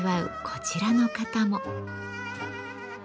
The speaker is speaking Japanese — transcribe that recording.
こちらの方も。